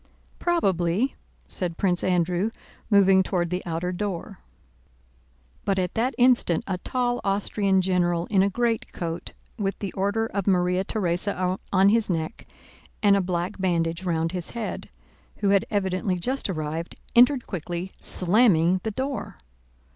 "Probably," said Prince Andrew moving toward the outer door. But at that instant a tall Austrian general in a greatcoat, with the order of Maria Theresa on his neck and a black bandage round his head, who had evidently just arrived, entered quickly, slamming the door.